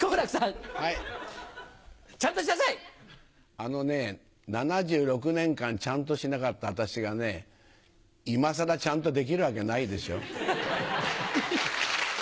あのね、７６年間ちゃんとしなかった私がね、今さらちゃんとできるわけないでしょ。